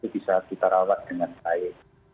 bisa kita rawat dengan baik